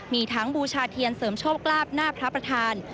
มีทั้งบูชาเทียนเสริมโชคลาภหน้าพระประธาน